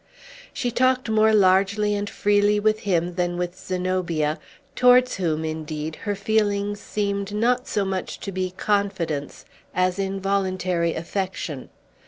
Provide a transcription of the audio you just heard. She talked more largely and freely with him than with Zenobia, towards whom, indeed, her feelings seemed not so much to be confidence as involuntary affection.